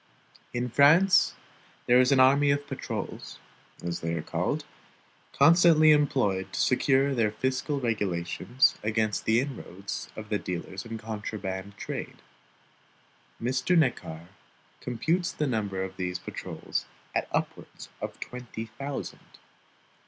In France, there is an army of patrols (as they are called) constantly employed to secure their fiscal regulations against the inroads of the dealers in contraband trade. Mr. Neckar computes the number of these patrols at upwards of twenty thousand.